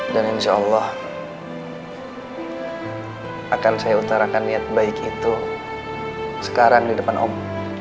dan insya allah akan saya utarakan niat baik itu sekarang di depan om